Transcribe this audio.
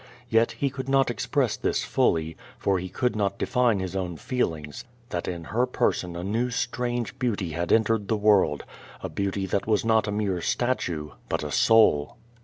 Yet he could not express this fully, for he could not define his own feelings, that in her person a new strange beauty had entered the world, a beauty that was not a mere statue, but a soul.